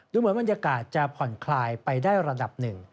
เหมือนบรรยากาศจะผ่อนคลายไปได้ระดับหนึ่ง